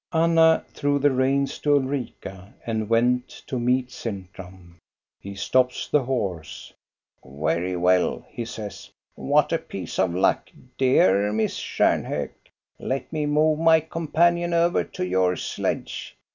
Anna threw the reins to Ulrika and went to meet Sintram. He stops the horse. "Well, well," he says; "what a piece of luck! Dear Miss Stjarnhok, let me move my companion over to your sledge.